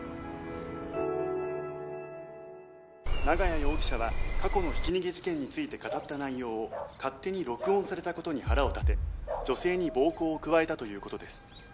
「長屋容疑者は過去のひき逃げ事件について語った内容を勝手に録音された事に腹を立て女性に暴行を加えたという事です」